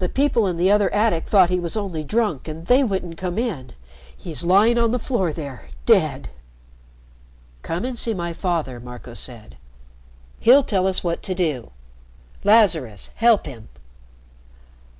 The people in the other attic thought he was only drunk, and they wouldn't come in. He's lying on the floor there, dead." "Come and see my father," Marco said. "He'll tell us what do do. Lazarus, help him."